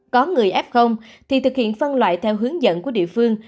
có người f thì thực hiện phân loại theo hướng dẫn của địa phương